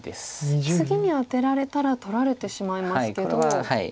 次にアテられたら取られてしまいますけど。